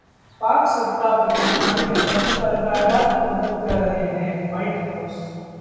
पाक सत्ता प्रतिष्ठान के तत्व अलकायदा की मदद कर रहे हैं: व्हाइट हाउस